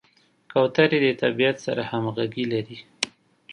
کوترې د طبیعت سره همغږي لري.